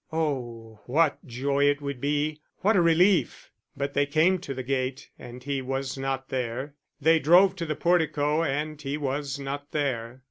Oh, what joy it would be, what a relief! But they came to the gate, and he was not there; they drove to the portico, and he was not there.